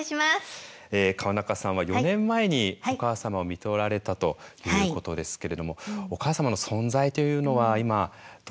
川中さんは４年前にお母様をみとられたということですけれどもお母様の存在というのは今どのような存在ですか？